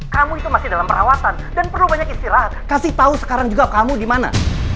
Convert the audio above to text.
kamu itu masih dalam perawatan dan perlu banyak istirahat kasih tahu sekarang juga kamu di mana